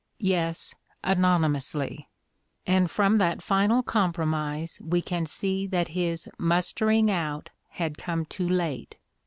Yes, anony mously; and from that final compromise we can see that his "mustering out" had come too late.